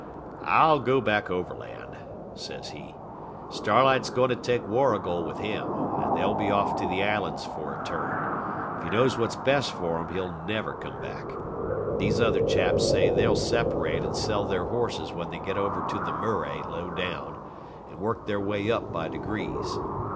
'I'll go back overland,' says he. 'Starlight's going to take Warrigal with him, and they'll be off to the islands for a turn. If he knows what's best for him, he'll never come back. These other chaps say they'll separate and sell their horses when they get over to the Murray low down, and work their way up by degrees.